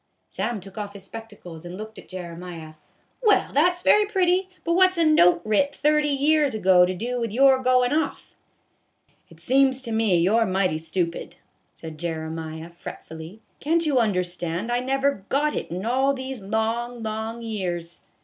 Sam took off his spectacles, and looked at Jere miah. " Well, that 's very pretty. But what 's a note writ thirty years ago to do with your goin' off ?"" It seems to me you 're mighty stupid," said Jere miah, fretfully ;" can't you understand, I never got it in all these long, long years